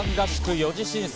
４次審査。